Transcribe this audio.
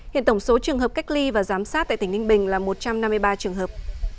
hiện tổng số trường hợp cách ly và giám sát tại tỉnh ninh bình là một trăm năm mươi ba trường hợp